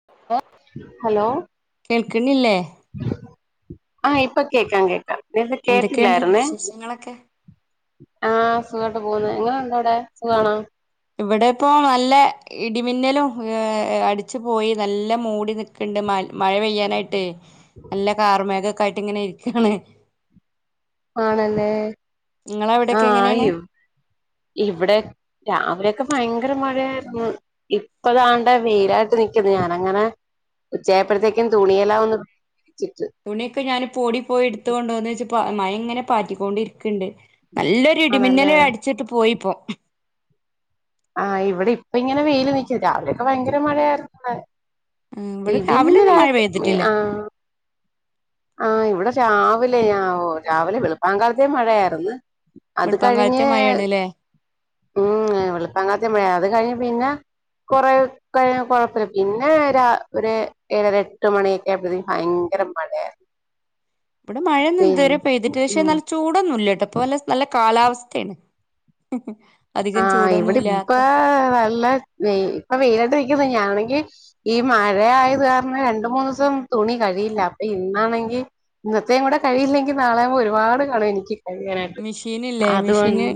[unintelligible] Hello കേൾക്കണില്ലേ? ആ ഇപ്പൊ കേക്കാം കേക്കാം നേരത്തെ എന്തൊക്കെയാണ് കേട്ടില്ലായിരുന്നെ. വിശേഷങ്ങളൊക്കെ ആ സുഖാട്ട് പോന്ന്. എങ്ങനെയുണ്ടവിടെ? സുഖാണോ? ഇവിടെ ഇപ്പോ നല്ല ഇടിമിന്നലും അടിച്ചു പോയി നല്ല മൂടി നിക്കണ്ട് മഴ പെയ്യാനായിട്ടെ. നല്ല കാർമേഘക് ക്കായിട്ടിങ്ങനെ ഇരിക്കാണേ. ആണല്ലേ. ആ അവിടെക്കെ എങ്ങനെയാണ് ആയൂ ഇവടെ രാവിലെ ക്കെ ഭയങ്കര മഴയായിരുന്നു. ഇപ്പദാണ്ടെ വെയിലായിട്ട് നിക്കുന്നു. ഞാനങ്ങനെ ഉച്ചയപ്പോഴത്തേക്കും തുണിയെല്ലാ ഒന്ന് ചിട്ട് തുണിയൊക്കെ ഞാനിപ്പോ ഓടി പോയി എടുത്തു കൊണ്ട് വന്നേച്ചും മഴ ഇങ്ങനെ പാറ്റിക്കൊണ്ടിരിക്കു ക്കുണ്ട്. നല്ലൊരു ആണല്ലേ ഇടിമിന്നല് അടിച്ചിട്ട് പോയിപ്പം. ആ ഇവിടെ ഇപ്പ ഇങ്ങനെ വെയില് നിക്ക രാവിലെയൊക്കെ ഭയങ്കര മഴയായിരുന്നുവിടെ. ഇവിടെ രാവിലെ ഒന്നും മഴ ഇടിമിന്നലായിട്ട് മ് പെയ്തിട്ടില്ല ആ ആ ഇവിടെ രാവിലെ ആ ഓ രാവിലെ വെളുപ്പാൻ കാലത്തേ മഴയാരുന്ന്. അത് വെളുപ്പാൻ കാലത്തെ കഴിഞ്ഞ് മഴയാണ്ല്ലേ ഉം വെളുപ്പാംകാലത്തു മഴ അത് കഴിഞ്ഞ് പിന്നെ കൊറെ കഴിഞ്ഞു കൊഴപ്പില്ല. പിന്നെ ഒരു ഏഴര എട്ട് മണിയൊക്കെ ആയപ്പോഴത്തേക്ക് ഭയങ്കര മഴയായിരുന്നു. ഇവിടെ മഴയൊന്നും പിന്നെ ഇതുവരെ പെയ്തിട്ടില്ല. പക്ഷെ ഉം നല്ല ചൂടൊന്നും ഇല്ല. [unintelligible] നല്ല കാലാവസ്ഥയാണ്. ആ അധികം ചൂടൊന്നും ഇവിടിപ്പോ ഇല്ലാത്ത നല്ല ഇപ്പൊ വെയിലത്ത് നിൽക്കുന്നു ഞാന് ഈ മഴയായത് കാരണം രണ്ട് മൂന്ന് ദിവസം തുണി കഴികിയില്ല. അപ്പൊ ഇന്നാണെങ്കി ഇന്നത്തെയും കൂടെ കഴികിയില്ലെങ്കിൽ നാളെ ആകുമ്പോ ഒരുപാട് കാണും എനിക്ക്. അങ്ങനാട്ട്. മെഷീനില്ലേ അതുകൊണ്ട് മെഷീന്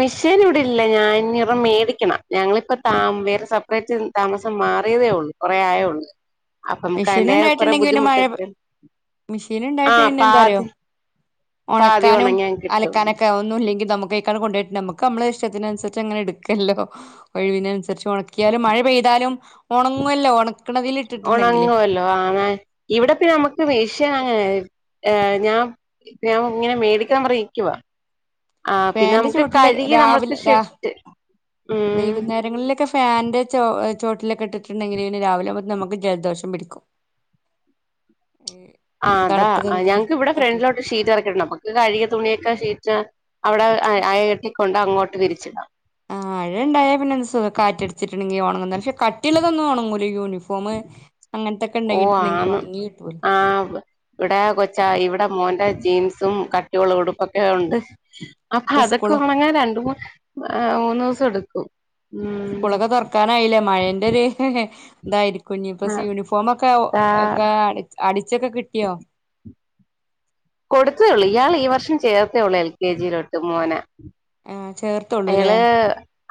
മെഷീൻ ഇവിടെ ഇല്ല. ഞാൻ ഇനിയോരെണ്ണം മേടിക്കണം ഞങ്ങളിപ്പ താ വേറെ സെപ്പറേറ്റ് താമസം മാറിയതേ ഒള്ളൂ. കൊറേ ആയൊള്ളൂ. അപ്പ നമുക്ക് മെഷീൻ അതിന്റെ കൊറെ ഉണ്ടായിട്ടുണ്ടെങ്കിൽ പിന്നെ ബുദ്ധിമുട്ട് മഴ ഒക്കെ ഒണ്ട്. മെഷീൻ ആ പാതി പാതി ഒണക്കാനും ഉണങ്ങാൻ കിട്ടും അലക്കാനൊക്കെ ഒന്നു ഇല്ലങ്കിൽ നമുക്കാ കൊണ്ട് നമക്ക് നമ്മള ഇഷ്ടത്തിനുസരിച്ച് അങ്ങനെടുക്കല്ലോ. ഒഴിവിനനുസരിച്ച് ഒണക്കിയാലും മഴ പെയ്താലും ഒണങ്ങുവല്ലോ. ഒണക് ഒണക്കണതിലിട്ടിട്ട് ഒണങ്ങുവല്ലോ [unintelligible] ആ ഇവിടെ പിന്നെ നമുക്ക് [unintelligible] [unintelligible] ഞാൻ ഞാൻ ഇങ്ങനെ മേടിക്കണം പറഞ്ഞിരിക്കുവാ ഫാന്റെ ചോട്ടില് രാവിലെ രാ ഷെഡ് ഉം വൈകുന്നേരങ്ങളിലൊക്കെ ഫാന്റെ ചോ ചോട്ടിലൊക്കെ ഇട്ടിട്ടുണ്ടെങ്കിൽ പിന്നെ രാവിലെ മുതല് നമക്ക് ജലദോഷം പിടിക്കും ആ അതാ തണുപ്പത്ങ്ങനെ ഞങ്ങക്ക് ഇവിടെ തട്ടി ഫ്രണ്ടിലോട്ട് ഷീറ്റ് ഇറക്കിട്ടണ്ട് നമ്മക്ക് കഴുകിയ തുണിയൊക്കെ ഷീറ്റ് അവിടെ അയകെട്ടി കൊണ്ടങ്ങോട്ട് വിരിച്ചിടാം ആ അഴ ഇണ്ടായാ പിന്നെ എന്ത് സുഖാ കാറ്റടിച്ചിട്ടണ്ടെങ്കിൽ ഒണങ്ങും പക്ഷെ കട്ടിയുള്ളതൊന്നും ഒണങ്ങൂല യൂണി ഫോമ് അങ്ങൻത്തെ ഓ ആണ് ആ ഇവിടെ കൊച്ചാ ഇവിടെം മോന്റെ ജീൻസും കട്ടിയുള്ള ഉടുപ്പൊക്കെയുണ്ട് അപ്പൊ ഇപ്പൊ അതൊക്കെ സ്കൂള് ഉണങ്ങാൻ രണ്ട് മൂന്ന് മൂന്ന് ദിവസം സെട്ക്കും സ്കൂളൊക്കെ തൊറക്കാനായില്ലേ മഴേന്റെ ഒര് തായിരിക്കും ഇനിപ്പ യൂണിഫോമൊക്കെ അതാ ഒക്കെ അടിച്ച് അടിച് ച്ചൊക്കെ കിട്ടിയോ കൊടുത്തതേയുള്ളൂ ഇയാള് ഈ വർഷം ചേർത്തേള്ളൂ എൽ കെ ജി യിലോട്ട് മോനേ ഏഹ് ചേർത്തൊള്ളൂല്ലേ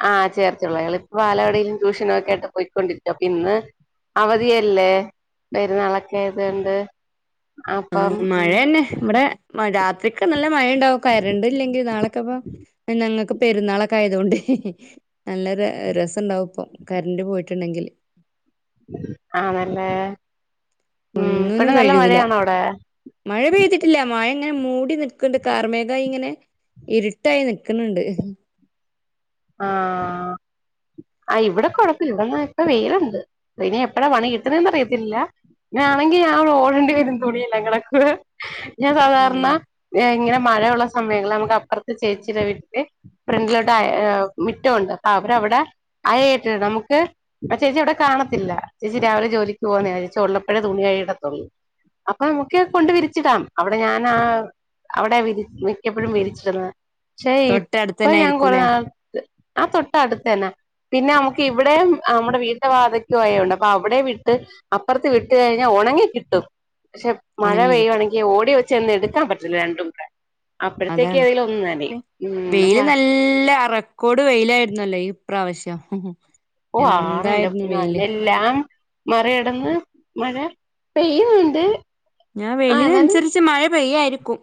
ആഹ് ചേർത്തെ ഒള്ളൂ അയൾ ഇപ്പാ ലാടീം ട്യൂഷനൊക്കെ അയിട്ട് പോയിക്കൊണ്ടിരി ക്ക്വ അപ്പ ഇന്ന് അവധിയല്ലേ പെരുന്നാളൊക്കെ യതൊണ്ട് അഹ് മഴന്നെ ഇവടെ മഴാത് വെക്ക്നല്ലൊ മഴ ഇണ്ടാവും കറണ്ടില്ലെങ്കിൽ നാളൊക്കെപ്പ ഞങ്ങൾക്ക് പെരുന്നാളൊക്കെ ആയത് കൊണ്ട് നല്ല രസണ്ടാവും ഇപ്പൊ കറന്റ് പോയിട്ടുണ്ടെങ്കില് ആഹ് നല്ലേഹ് ഒന്നിനും കഴിയൂല മഴ പെയ്തിട്ടില്ല മഴ ഇങ്ങനെ മൂടി നിക്ക്ണ്ട് കാർമേഘാ യിങ്ങനെ ഇരുട്ടായി നിക്ക്ണ് ണ്ട് ആഹ് ആ ഇവടെ കൊഴപ്പ്ല്ല ഇവടെ [unintelligible] പ്പോ വെയില്ണ്ട് വിനി എപ്പയാ പണി കിട്ട്ണ്ന്നറിയത് ഇല്ല അങ്ങനെ ആണെങ്കി ഞാറോടണ്ടി വരും തുണിയില്ലങ്കിള് ഞാൻ ആണ് സാധാരണ ഇങ്ങനെ മഴ ഉള്ള സമയങ്ങള്ൽ നമുക്ക് അപ്പറ്ത്ത് ചേച്ചിടെവീട്ടില് ഫ്രണ്ടിലോട്ട് അയ മിറ്റവുണ്ട് അവരവിടെ അയ്ട്ടി നമുക്ക് ചേച്ചി ഇവിടെ കാണത്തില്ല ചേച്ചി രാവിലെ ജോലിക്ക് പോകുന്നേ [unintelligible] ഉള്ളപ്പഴേ തോന്നിയേ ഹ് ഇടത്തൊ [unintelligible] അപ്പെ അമുക്കി ഫണ്ട് വിരിച്ചിടാം. അവിടെ ഞാൻ ആഹ് അവിടെ വിരി മിക്കപ്പൊഴും വിരിച്ചതാ ശെ ഇപ്പ തൊട്ടടുത്തന്നെ ഞാൻ കൊറെ ആയിരിക്കൂലേ നാൾ ആഹ് തൊട്ടടുത്തന്നെ. പിന്നെ അമുക്ക് ഇവ്ടെയും ഹ അമ്മുടെ വീട്ട് [unintelligible] [unintelligible] ആയ് ഒണ്ട് അപ്പ അവിടെയു വിട്ട് അപ്പറ്ത്ത് വിട്ട് കഴിഞ്ഞാ ഒണങ്ങി കിട്ടും ക്ഷെ മഴ ഒണങ്ങി കിട്ട പെയ്യുവാണെങ്കി ഓടി എ ചെന്നെടുക്കാ പറ്റില്ല രണ്ടും കൂടെ അപ്പോഴത്തേക്ക് അതാണ് ഏതെങ്കിലും ഒന്ന് വെ നനയും ഉം നമ്മള വെയില് നല്ല അറ കൊടുവെയിലായിര്ന്നല്ലേ ഇപ്രാവശ്യം ഓ ആണോന്റെ പൊന്നു [unintelligible] മറയടന്ന് മഴ പെയ്യുന്നുണ്ട് ഞാൻ ആ എന്നാലും വെയിലിലന്സരിച്ച് മഴ പെയ്യായിരിക്കും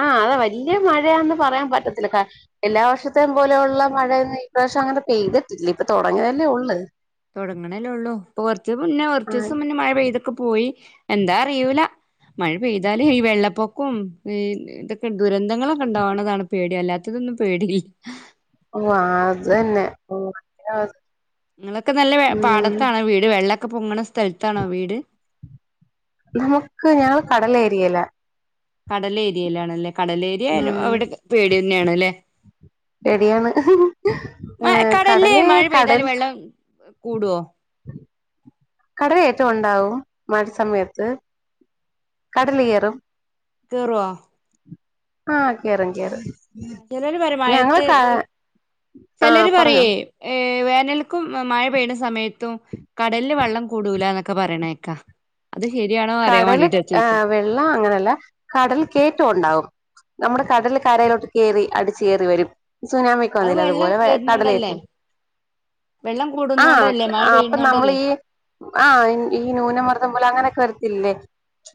ആ അതെ വല്ല്യ മഴയാന്ന് പറയാൻ പറ്റത്തില്ല കാ എല്ലാ വർഷത്തേയും പോലെയുള്ള മഴയൊന്നും ഈ പ്രാവശ്യം അങ്ങനെ പെയ്തിട്ടില്ല. ഇപ്പ തൊടങ്ങിയതല്ലേ ഒള്ള്. തൊടങ്ങണല്ലേള്ളൂ ഇപ്പോ കൊറ്ച്ച് മുന്നേ ആ കൊറ്ച്ചൂസം മുന്നേ മഴ പെയ്തൊക്കെ പോയി എന്താ അറിയൂല മഴ പെയ്താലെ ഈ വെള്ളപ്പൊ ക്കും ഈ ഇതൊക്കെ ദുരന്തങ്ങളൊക്കെ ഇണ്ടാവ്ണതാണ് പേടി അല്ലാത്തതൊന്നും പേടില്ല ഓ ആ തന്നെ ഉം ങ്ങളൊക്കെ നല്ല വെ പാടത്താണ് വീട് വെള്ള ക്ക പൊങ്ങണ സ്ഥല്ത്താണോ വീട് നമ്മുക്ക് ഞാൻ കടലേരിയേലാ കടലേരിയിലാണല്ലേ കടലേരിയായാലും ഉം അവിടൊക്കെ പേടി ന്നെയാണല്ലേ പേടിയാണ് ഏ കടലില് കടല് മഴ കടൽ പെയ്താല് വെള്ളം കൂടുവോ കടലേറ്റം ഒണ്ടാവും മഴ സമയത്ത് കടലിയേറും കേറോ ആ കേറും കേറും ചെലര് പറയും ഞങ്ങള് മഴത്ത് ക ആഹ് ചെലര് പറഞ്ഞോ പറയേ ഏ വേനൽക്കും മ മഴ പെയ്യ്ണ സമയത്തും കടല് വള്ളം കൂടൂലാ ഒക്ക പറീണേക്ക കടൽ ആ വെള്ള അങ്ങനല്ല കടൽ കേറ്റ ഒണ്ടാവും നമ്മുടെ കടല് കരയിലോട്ട് കേറി അടിച്ചേറി വരും സുനാമിക്കെ അത് വന്നില്ലേ വെള്ളം അതുപോലെ വെ വരുന്നോണ്ടല്ലേ കടലേറ്റും. വെള്ളം ആ കൂടുന്നോണ്ടല്ലേ മഴ അപ്പൊ നമ്മൾ പെയ്യുന്നോണ്ടല്ലേ ഈ ആ ഈ ന്യൂനമർദ്ദം പോലെ അങ്ങനെ കർ ഇല്ലെ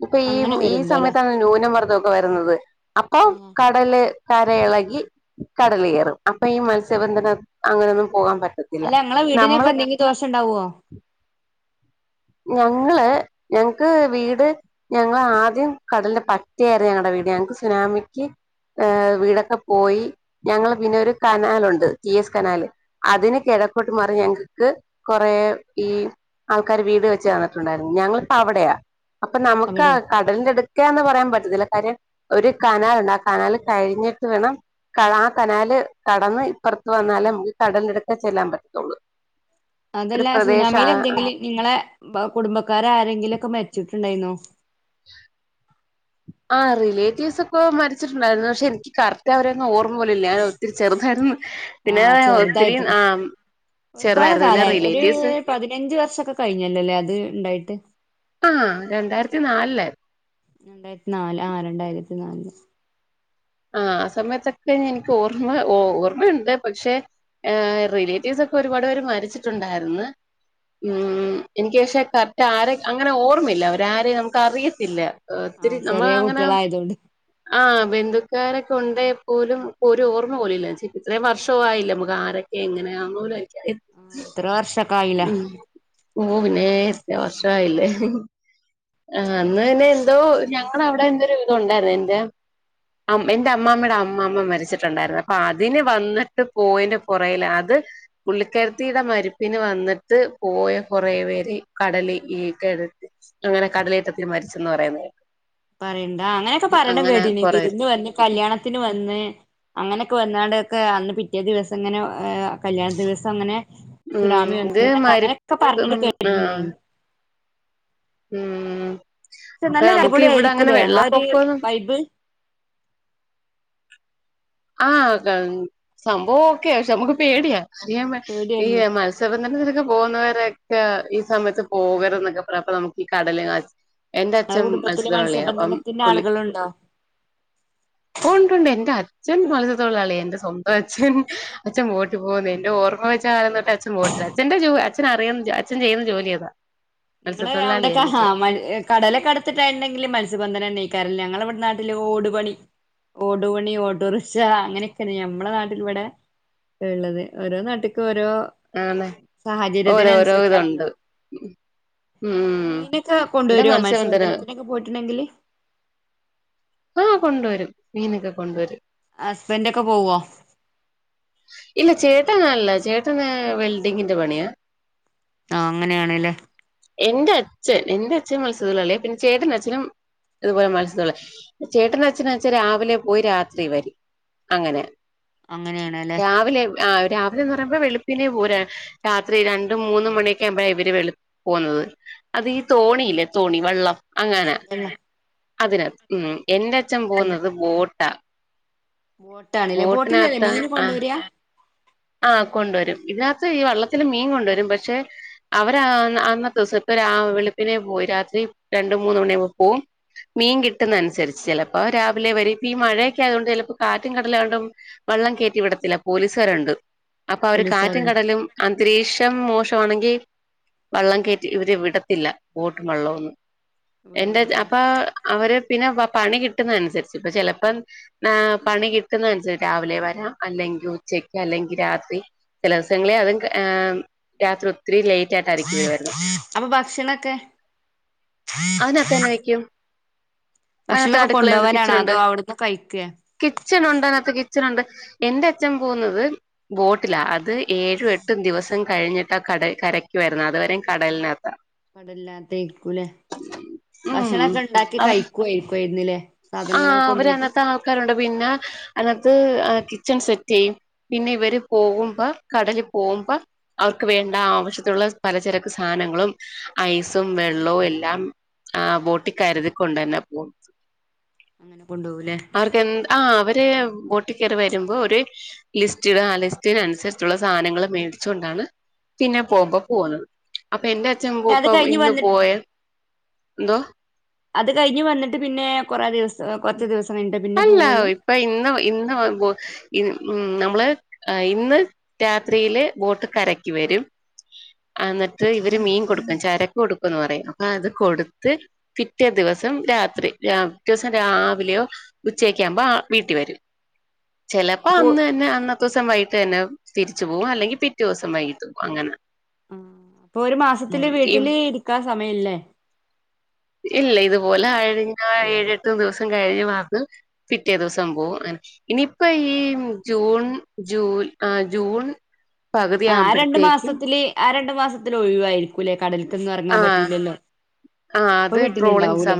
ഇപ്പൊ ഈ അങ്ങനെ ഈ വരുമ്പോ അല്ലെ സമയത്താണ് ന്യൂന മർദ്ദൊക്കെ വരുന്നത് അപ്പൊ ആ കടല് കരയെളകി കടല് കേറും അപ്പൊ ഈ മത്സ്യബന്ധനം അങ്ങനൊന്നും പോകാൻ പറ്റത്തില്ല അല്ല ങ്ങളെ നമ്മള് വീടിനൊക്കെ എന്തെങ്കി ദോഷണ്ടാവോ? ഞങ്ങള് ഞങ്ങക്ക് വീട് ഞങ്ങളാദ്യം കടലിന്റെ പറ്റേ ആര്ന്ന് ഞങ്ങളുടെ വീട്. ഞങ്ങക്ക് സുനാമിക്ക് ഏ വീടൊക്കെ പോയി ഞങ്ങള് പിന്നെ ഒരു കനാലൊണ്ട് ടീ എസ് കനാല് അതിന് കെഴക്കോട്ട് മാറി ഞങ്ങക്ക് കൊറെ ഈ ആൾക്കാര് വീട് വെച്ച് തന്നിട്ടുണ്ടായിരുന്നു ഞങ്ങളിപ്പ അവിടെയാ അപ്പൊ നമുക്ക് അവിടെ അ കടലിന്റെ അടുക്കേന്ന് പറയാൻ പറ്റു ഇതിലെ കാര്യം ഒരു കനാലുണ്ട് ആ കനാൽ കഴിഞ്ഞിട്ട് വേണം ആ കനാല് കടന്ന് ഇപ്പുറത്ത് വന്നാലേ നമുക്ക് കടല് അടുക്കെ ചെല്ലാൻ പറ്റത്തുള്ളൂ ഒരു അതല്ല സുനാമിൽ പ്രദേശം എന്തെങ്കിലും നിങ്ങളെ വ കുടുംബക്കാര് ആരെങ്കിലുമൊക്കെ മരിച്ചിട്ടുണ്ടായിരുന്നോ ആ റിലേറ്റീവ്സ് ഒക്കെ മരിച്ചിട്ടുണ്ടായിരുന്നു പക്ഷെ എനിക്ക് കറക്റ്റ് അവരെ ഓർ ആ പിന്നെ ഒത്തിരി ചെറുതായിട്ട് ആഹ് ഒരുപാട് ചെറുതായിരുന്നു പിന്നെ കാലം ഒരു റിലേറ്റീവ്സ് പതിനഞ്ച് വർഷൊക്കെ കഴിഞ്ഞല്ലോല്ലേ അത് ഇണ്ടായിട്ട് ആ രണ്ടായിരത്തി നാലിലായിര്ന്ന് രണ്ടായിരത്തി നാല് ആ രണ്ടായിരത്തി നാല് ആ സമയത്തൊക്കെ എനിക്ക് ഓർമ്മ ഓർമ്മയുണ്ട് പക്ഷെ എ റിലേറ്റീവ്സൊക്കെ ഒരുപാട് പേര് മരിച്ചിട്ടുണ്ടായിരുന്നു ഉം എനിക്ക് പക്ഷെ കറക്റ്റ് ആര് അങ്ങനെ ഓർമ്മയില്ല അവരാര് നമുക്ക് അറിയത്തില്ല ഒത്തിരി ആഹ് നമ്മൾ ചെറിയ അങ്ങനെ കുട്ടികളായതുകൊണ്ട് ആ ബന്ധു ക്കാരൊക്കെ ഉണ്ടേ പോലും ഒരു ഓർമ്മ പോലുമില്ല പച്ചേ ഇത്രയും വർഷവും ആയില്ലേ നമുക്ക് ആരൊക്കെ എങ്ങനെയാ പോലും എനിക്കറിയ ആ എത്ര വർഷം ഉം ഓ പി ഇത്രേം വർഷായില്ലേ അന്ന്ന്നെ എന്തോ ഞങ്ങവിടെ എന്തോ വിധം ഉണ്ടായിരുന്നു എന്റെ എന്റെ അമ്മാമ്മയുടെ അമ്മാമ്മ മരിച്ചിട്ടുണ്ടായിരുന്നു അപ്പൊ അതിന് വന്നിട്ട് പോയിന്റെ പുറേൽ അത് പുള്ളിക്കാരത്തിയുടെ മരിപ്പി ഇ വന്നിട്ട് പോയ കൊറേ പേര് കടൽ ഈ കെഴ് അങ്ങനെ കടലേറ്റത്തി മരിച്ചന്ന് പറയുന്നകേട്ട് പറയണ്ട അങ്ങനെയൊക്കെ പറയണ്ട കേട്ടീന് കൊറേര് വിരുന്ന് വന്ന് കല്യാണത്തിന് വന്ന് അങ്ങനൊ ക്ക് വന്നാടൊക്കെ അന്ന് പിറ്റേ ദിവസം ഇങ്ങനെ ഏ കല്യാണ ദിവസം അങ്ങനെ ഉം സുനാമി ഇത് വന്ന് എന്നൊക്കെ അങ്ങനെയൊക്കെ മരിപ്പ് ഉം, പറഞ്ഞിട്ട് ആ കേട്ടിട്ടുണ്ടായിന് ഉം പക്ഷെ അപ്പൊ നല്ല നമുക്ക് ഇവിടെ അങ്ങനെ അടിപൊളിയായിരിക്കൂലേ ആ ഒര് വെള്ളപ്പൊക്കൊന്നും വൈബ്ൾ ആ സംഭവം ഒക്കെ പക്ഷെ നമ്മുക്ക് പേടിയാ അറിയാം ഈ പേടിയല്ല മത്സ്യബന്ധന് ഓക്കെ പോകുന്നവരൊക്കെ ഈ സമയത്ത് പോകരുത് എന്നൊക്കെ പറയും അപ്പ നമുക്ക് ഈ കടല് കാ എന്റെ നിങ്ങളെ അച്ഛൻ കുടുംബത്തില് മത്സ്യത്തൊഴിലാളിയാ അപ്പം മത്സ്യബന്ധനത്തിന്റെ പുള്ളി ആളുകളുണ്ടോ ഉണ്ട് ഉണ്ട് എന്റെ അച്ഛ് അച്ഛൻ മത്സ്യത്തൊഴിലാളിയാ എന്റെ സ്വന്തം അച്ഛൻ അച്ഛൻ ബോട്ടിൽ പോകുന്ന്യാ എൻ്റെ ഓർമ്മവെച്ച കാലം തൊട്ട് അച്ഛൻ ബോട്ടിലാ അച്ഛൻ്റെ ജോ അച്ഛൻ അറിയ അച്ഛൻ ചെയ്യുന്ന ജോലിയതാ ഇങ്ങള് അവിടൊക്കെ ഹാമ കടലൊക്കെ അടുത്തിട്ടായിണ്ടെങ്കില് മത്സ്യ മത്സ്യബന്ധനാണികാറില്ല ഞങ്ങടെ നാട്ടില് ഓടു പണി ഓടുപണി ഓട്ടോറിക്ഷ അങ്ങനൊക്കെയാണ് ഞമ്മളെ നാട്ടില് ഇവടെ എള്ളത് ഓരോ നാട്ടിക്കും ഓരോ ആന്നെ ഓരോരോ ഇതുണ്ട് എ ഉം മീനൊക്കെ ഇവിടെ കൊണ്ടുവരോ മത്സ്യബന്ധനം മത്സ്യബന്ധനത്തിനൊക്കെ പോയിട്ടുണ്ടെങ്കില് വരും മീനൊക്കെ കൊണ്ടുവരും ഹസ്ബൻഡൊക്കെ പോവോ ഇല്ല ചേട്ടൻ കാൺല്ല ട്ടന് വെൽഡിങ്ങിന്റെ പണിയാ ആ അങ്ങനെയാണേല് എന്റെ അച്ഛൻ എന്റെ അച്ഛൻ മത്സ്യ തൊഴിലാളിയാ പിന്നെ ചേട്ടന്റെ അച്ഛനും ഇതുപോലെ മത്സ്യ തൊഴിലാളി ചേട്ടന്റെ അച്ഛൻന്ന് വച്ച രാവിലെ പോയി രാത്രി വരും അങ്ങനെ അങ്ങനെയാണല്ലേ രാവിലെ ആ രാ [unintelligible] ന്ന് പറയുമ്പോ വെളു പ്പിനെ പോരാ രാത്രി രണ്ട് മൂന്ന് മണിയൊക്ക്യാവുമ്പെയ ഇവര് വെളു പോവുന്നത് അത് ഈ തോണിയില്ലേ തോണി വള്ളം അങ്ങനെ അതിനാത്ത്. ഉം എന്റെ അച്ഛൻ വള്ളത്തിന് പോകുന്നത് ബോട്ടാ ബോട്ടാണല്ലേ ബോട്ടിലല്ലേ ബോട്ടിനകത്താ മീൻ കൊണ്ട് വരാ ആ കൊണ്ടുവരും. ഇതിനകത്ത് ഈ വള്ളത്തില് മീൻ കൊണ്ടുവരും. പക്ഷെ അവര് അന്ന് അന്നത്തെ ദിവസത്തെ രാ വെളുപ്പിനെ പോയി രാത്രി രണ്ട് മൂന്ന് മണിയാവും പോവും. മീൻ കിട്ടുന്ന അനുസരിച്ച് ചിലപ്പോ രാവിലെ വരെ ഈ മഴയൊക്കെ ആയതുകൊണ്ട് ചെലപ്പോ കാറ്റും കടലായോണ്ടും വള്ളം കേറ്റി വിടത്തില്ല. പോലീസാരുണ്ട് അപ്പൊ അവര് കാറ്റും പോലീസുകാരുണ്ട് കടലും അൻ ന്തരീക്ഷം മോശം ആണെങ്കീ വള്ളം കയറ്റി ഇവര് വിടത്തില്ല ബോട്ട് വള്ളവൊന്നും എൻ്റെ ച്ഛ വിടൂലല്ലേ അപ്പൊ അവര് പിന്നെ വ പണി കിട്ടുന്നതനുസരിച്ച് ഇപ്പ ചെലപ്പം ഏ പണി കിട്ടുന്നതനുസരിച്ച് രാവിലെ വരാം അല്ലെങ്കി ഉച്ചയ്ക്ക് അല്ലെങ്കി രാത്രി ചില ദിവസങ്ങളി അതും ഏ രാത്രി ഒത്തിരി ലേറ്റ് ആയിട്ടായിരിക്കും ഇവര് വരുന്നത് അപ്പൊ ഭക്ഷണൊക്കെ അതിനാത്ത് ഭക്ഷണൊക്കെ അടുക്കളെയുണ്ട് കൊണ്ടോവലാണോ കിച്ചൺ ഉണ്ട്. അതോ അവിടുന്ന് കഴിക്കേ കിച്ചൻ ഉണ്ട് അതിനകത്ത് കിച്ചൺ ഉണ്ട് എന്റെ അച്ഛൻ പോകുന്നത് ബോട്ടില അത് ഏഴും എട്ടും ദിവസ കഴിഞ്ഞിട്ടാ കട കരക്ക് വരുന്നത് അതുവരേം കടലിനകത്താ കടല്ലാത്തേരിക്കൂലേ ഭക്ഷണക്കെ ഇണ്ടാക്കി കഴിക്കോയിരിക്ക ന്നിലെ ആ അവര് അന്നത്തെ ആൾക്കാരുണ്ട് പിന്നെ അന്ന അത് ആ കിച്ചൺ സെറ്റ് ചെയ്യും പിന്നെ ഇവര് പോവുമ്പ കടലിൽ പോവുമ്പ അവർക്ക് വേണ്ട ആവശ്യത്തിനുള്ള പലചരക്ക് സാധനങ്ങളും ഐസും വെള്ളവും എല്ലാം ആ ബോട്ടി കരുതി കൊണ്ട് തന്നാ പോവ അങ്ങനെ കൊണ്ടുപോകൂല്ലേ അവർക്കെൻ ആ അവ [unintelligible] ബോട്ടി കേറി വരുമ്പോ ഒരു ലിസ്റ്റ് ഇട ആ ലിസ്റ്റിനനുസരിച്ചുള്ള സാനങ്ങള് മേടിച്ചോണ്ടാണ് പിന്നെ പോക്കോ പോവുന്നത് അപ്പ എന്റെ അച്ഛൻ പിന്നെ കു അത് [unintelligible] കഴിഞ്ഞ് ഇന്ന് വന്നിട്ട് പോയ എന്തോ അത് കഴിഞ്ഞ് വന്നി പിന്നെ അല്ല പോവുള്ളൂ ഇപ്പ ഇന്ന് ഇന്ന് [unintelligible] ഉം നമ്മള് ഇന്ന് രാത്രിയില് ബോട്ട് കരയ്ക്ക് വരും അന്നിട്ട് ഇവര് മീൻ കൊടുക്കും ചരക്ക് കൊടുക്കുന്ന് പറയും അപ്പൊ അത് കൊടുത്ത് പിറ്റേ ദിവസം രാത്രി രാം പിറ്റേ ദിവസം രാവിലെയോ ഉച്ചേക്കെ ആവുമ്പോ വീട്ടീ വരും ചെലപ്പ അപ്പൊ അന്ന് തന്നെ അണ്ണ [unintelligible] ത്തുസം വയ്യിട്ട് തന്നെ തിരിച്ചു പോവും അല്ലെങ്കി പിറ്റൂസം വയ്യിട്ട് അങ്ങനെ ആഹ് അപ്പൊ ഒരു മാസത്തില് ഉം ഇ വീട്ടില് ഇരിക്കാൻ സമയല്ലേ ഇല്ല ഇതുപോലെ ആഴ്‌ ആഹ് ഏഴെട്ട് ദിവസം കഴിഞ്ഞ് അത് പിറ്റേ ദിവസം പോവും അങ്ങനെ ഇനിപ്പോ ഈ ആഹ് ജൂൺ ജൂ ആ ജൂൺ പകുതി ആഹ് ആഹ് രണ്ടു ആവുമ്പഴത്തേക്കും മാസത്തില് ആ രണ്ടു മാസത്തില് ഒഴിവായിരിക്കൂല്ലേ കടലിക്കൊ ന്നും ഇറങ്ങാൻ ആഹ് പറ്റൂലല്ലോ അപ്പ വീട്ടില് ഉണ്ടാവൂല്ലേ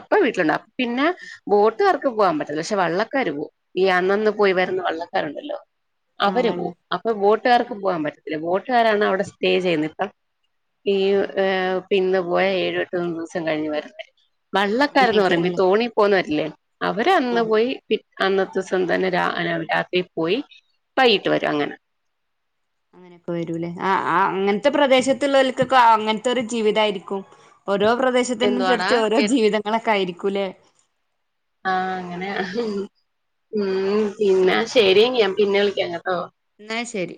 അപ്പ വീട്ടിലൊണ്ട പിന്നെ ബോട്ട് ക്ക് പോവാൻ പറ്റില്ല പക്ഷെ വള്ളക്കാര് പോവും ഈ അന്നന്ന് പോയി വരുന്ന വള്ളക്കാരുണ്ടല്ലോ ആഹ് അവര് പോവും വെള്ളം അപ്പ ബോട്ടുകാർക്ക് പോകാൻ പറ്റി അല്ല വോട്ടുകാരാണ് അവിടെ സ്റ്റേ ചെയ്യുന്ന ഇപ്പ ഈയ് ഏങ്ഹ് ഇന്ന് പോയ ഏഴ് എട്ടും ദിവസം കഴിഞ്ഞ് വരണ്ടെ വെള്ളക്കാരന്ന് പറയുമ്പോ ഈ അങ്ങനെയൊക്കെയാണല്ലേ ആ തോണി പോകന്നവരല്ലേ അവര് അന്ന് പോയി പി അന്നത്തെ ദിവസം തന്നെ രാ രാത്രി പോയി വൈയ്യിട്ട് വരും അങ്ങനെ അങ്ങനൊക്കെ വരൂലേ ആഹ് ആഹ് അങ്ങനത്തെ പ്രദേശത്തുള്ളവർക്ക [unintelligible] [unintelligible] അങ്ങനത്തെ ഒരു ജീവിതാരിക്കും ഓരോ എന്തുവാടാ പ്രദേശത്തിനനുസരിച്ച് ഓരോ കേ ജീവിതങ്ങളൊക്കെ ആയിരിക്കും കുലേ ആ അങ്ങനെ ഉം പിന്നെ ശരി ഞാ പിന്നെ വിളിക്കാം കേട്ടോ എന്നാ ശരി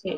ശരി